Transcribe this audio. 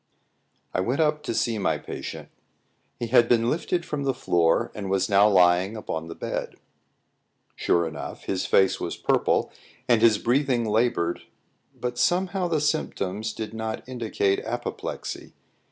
I went up to see my patient. He had been lifted from the floor, and was now lying upon the bed. Sure enough, his face was purple and his breathing laboured, but somehow the symptoms did not indicate apoplexy.